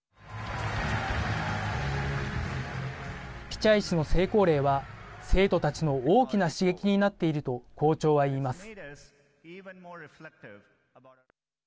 ピチャイ氏の成功例は生徒たちの大きな刺激になっていると校長は言います。